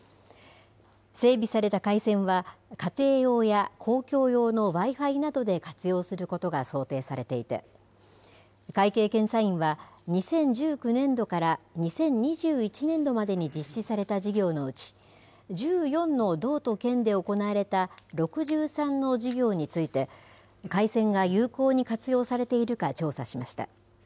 整備された回線は、家庭用や公共用のＷｉ−Ｆｉなどで活用することが想定されていて、会計検査院は、２０１９年度から２０２１年度までに実施された事業のうち、１４の道と県で行われた６３の事業について、回線が有効に活用されているか調査しました。